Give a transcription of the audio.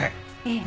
ええ。